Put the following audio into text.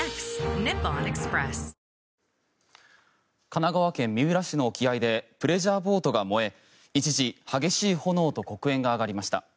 神奈川県三浦市の沖合でプレジャーボートが燃え一時、激しい炎と黒煙が上がりました。